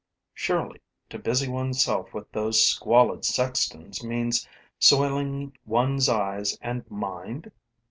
Surely, to busy one's self with those squalid sextons means soiling one's eyes and mind?